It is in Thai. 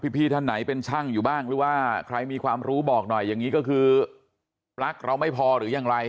พี่ท่านไหนเป็นช่างอยู่บ้างหรือว่าใครมีความรู้บอกหน่อยอย่างนี้ก็คือรักเราไม่พอหรือยังไร